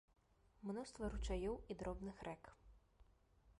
Мноства ручаёў і дробных рэк.